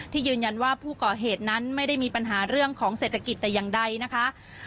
ยืนยันว่าผู้ก่อเหตุนั้นไม่ได้มีปัญหาเรื่องของเศรษฐกิจแต่อย่างใดนะคะ